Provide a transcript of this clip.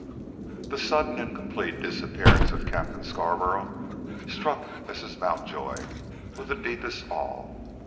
The sudden and complete disappearance of Captain Scarborough struck Mrs. Mountjoy with the deepest awe.